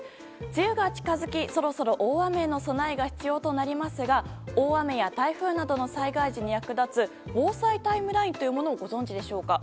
梅雨が近づき、そろそろ大雨への備えが必要となりますが大雨や台風などの災害時に役立つ防災タイムラインというものをご存じでしょうか？